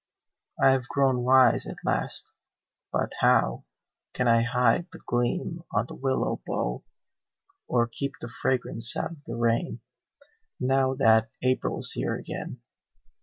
I have grown wise at last but how Can I hide the gleam on the willow bough, Or keep the fragrance out of the rain Now that April is here again?